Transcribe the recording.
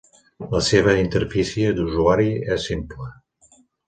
La seva interfície d'usuari és simple.